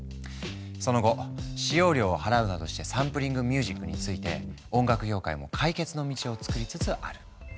その後使用料を払うなどしてサンプリングミュージックについて音楽業界も解決の道を作りつつある。